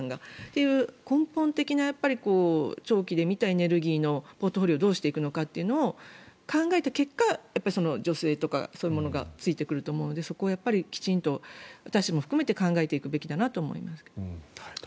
そういう根本的な長期で見たエネルギーのポートフォリオをどうするかを考えた結果助成とかそういうものがついてくると思うのでそういうところを私たちも含めて考えていくべきだなと思いますけど。